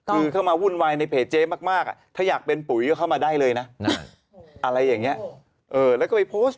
คือเข้ามาวุ่นวายในเพจเจ๊มากถ้าอยากเป็นปุ๋ยก็เข้ามาได้เลยนะอะไรอย่างนี้แล้วก็ไปโพสต์